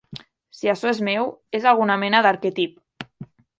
Si açò és meu, és alguna mena d'arquetip.